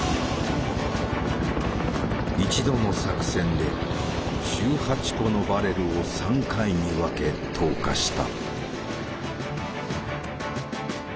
一度の作戦で１８個のバレルを３回に分け投下した。